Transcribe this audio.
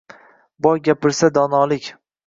Boy gapirsa-donolik.